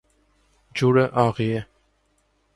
Ջուրը աղի է։